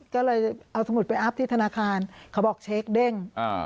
ก็เลยเอาสมุดไปอัพที่ธนาคารเขาบอกเช็คเด้งอ่า